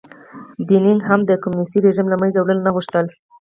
دینګ هم د کمونېستي رژیم له منځه وړل نه غوښتل.